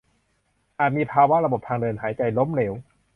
อาจมีภาวะระบบทางเดินหายใจล้มเหลว